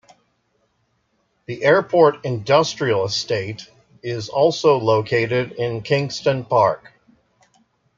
The "Airport Industrial Estate" is also located in Kingston Park.